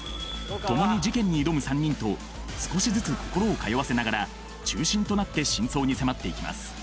共に事件に挑む３人と少しずつ心を通わせながら中心となって真相に迫っていきます